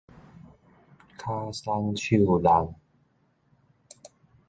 跤鬆手弄